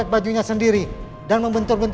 saudara diri anda bebas